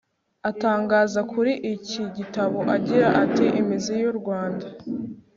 atangaza kuri iki gitabo agira ati 'imizi y'u rwanda